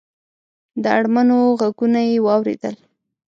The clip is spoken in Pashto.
د اړمنو غږونه یې واورېدل.